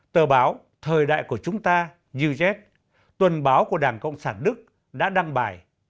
tờ báo thời đại của chúng ta uz tuần báo của đảng cộng sản đức đã đăng bài